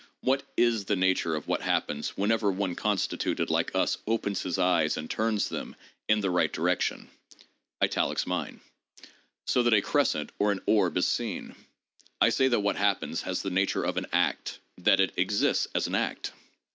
What is the nature of what happens "whenever one constituted like us opens his eyes and turns them in the right direction" (italics mine), so that a crescent or an orb is seen? I say that what happens has the nature of an act; that it exists as an act.